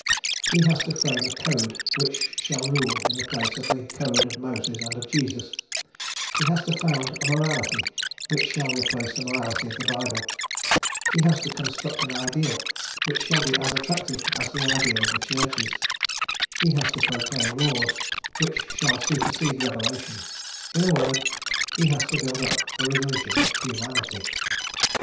He has to frame a code which shall rule in the place of the code of Moses and of Jesus; he has to found a morality which shall replace the morality of the Bible; he has to construct an ideal which shall be as attractive as the ideal of the Churches; he has to proclaim laws which shall supersede revelation: in a word, he has to build up the religion of humanity.